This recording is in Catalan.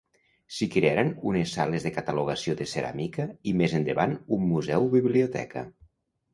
S'hi crearen unes sales de catalogació de ceràmica i més endavant un museu-biblioteca.